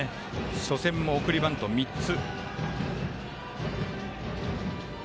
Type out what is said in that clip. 初戦も送りバント３つ。